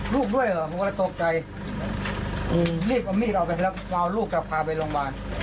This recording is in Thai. ลับ